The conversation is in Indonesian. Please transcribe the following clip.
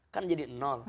kan jadi